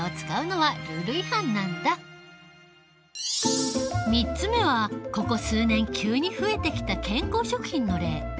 そもそも３つ目はここ数年急に増えてきた健康食品の例。